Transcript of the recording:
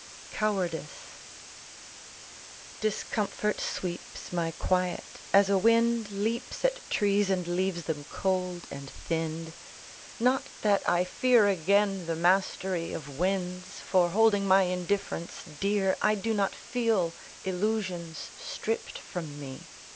COWARDICE Discomfort sweeps my quiet, as a wind Leaps at trees and leaves them cold and thinned. Not that I fear again the mastery Of winds, for holding my indifference dear I do not feel illusions stripped from me.